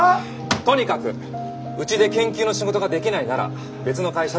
とにかくうちで研究の仕事ができないなら別の会社で。